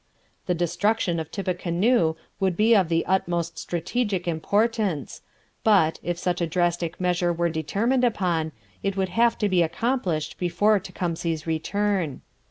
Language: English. The destruction of Tippecanoe would be of the utmost strategic importance, but, if such a drastic measure were determined upon, it would have to be accomplished before Tecumseh's return.